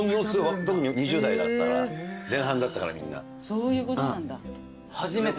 そういうことなんだ。